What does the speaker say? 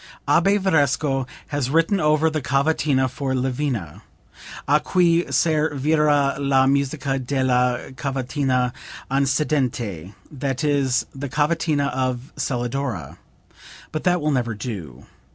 "Abbe Varesco has written over the cavatina for Lavina: a cui servira la musica della cavatina antecedente, that is the cavatina of Celidora. But that will never do.